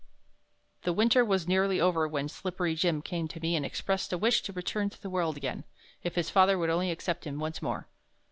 III The Winter was nearly over when "Slippery Jim" came to me and expressed a wish to return to the World again. If his father would only accept him once more!